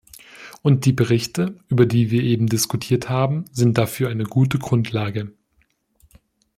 Und die Berichte, über die wir eben diskutiert haben, sind dafür eine gute Grundlage.